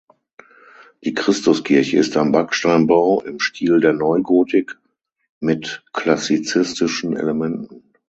Die Christuskirche ist ein Backsteinbau im Stil der Neugotik mit klassizistischen Elementen.